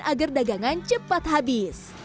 agar dagangan cepat habis